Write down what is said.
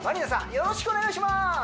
よろしくお願いします！